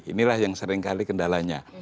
inilah yang seringkali kendalanya